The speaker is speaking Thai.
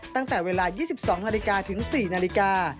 ตั้งแต่เวลา๒๒นาฬิกาถึง๔นาฬิกา